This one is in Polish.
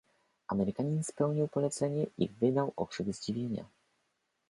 "Amerykanin spełnił polecenie i wydał okrzyk zdziwienia."